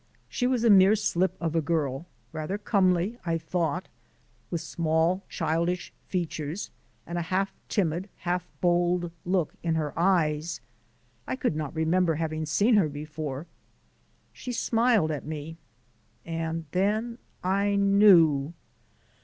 She was a mere slip of a girl, rather comely, I thought, with small childish features and a half timid, half bold look in her eyes. I could not remember having seen her before. She smiled at me and then I knew!